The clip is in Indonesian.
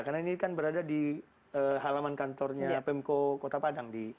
karena ini kan berada di halaman kantornya pemko kota padang